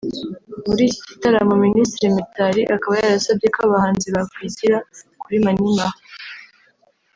muri iki gitaramo Minisitiri Mitali akaba yarasabye ko abahanzi bakwigira kuri Mani Martin